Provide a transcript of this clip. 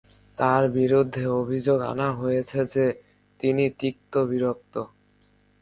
তার বিরুদ্ধে অভিযোগ আনা হয়েছে যে, তিনি তিক্তবিরক্ত।